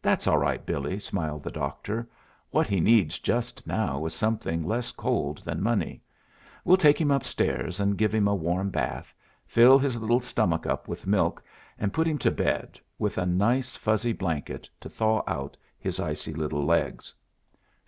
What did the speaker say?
"That's all right, Billie," smiled the doctor. "What he needs just now is something less cold than money. We'll take him upstairs, and give him a warm bath, fill his little stomach up with milk, and put him to bed, with a nice fuzzy blanket to thaw out his icy little legs."